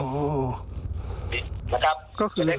ได้ครับเอาที่พี่สะดวกนะ